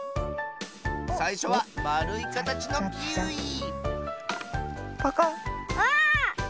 さいしょはまるいかたちのキウイパカッ。